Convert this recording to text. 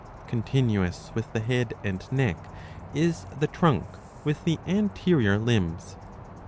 ''' Continuous with the head and neck is the trunk with the anterior limbs.